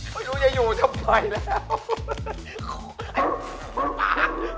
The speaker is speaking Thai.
หนูจะอยู่ทำไมแล้ว